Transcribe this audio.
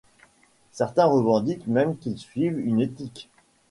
Certains revendiquent même qu'ils suivent une éthique.